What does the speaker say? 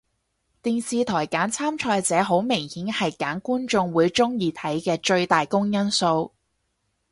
電視台揀參賽者好明顯係揀觀眾會鍾意睇嘅最大公因數